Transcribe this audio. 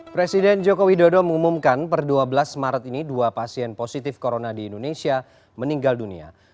presiden joko widodo mengumumkan per dua belas maret ini dua pasien positif corona di indonesia meninggal dunia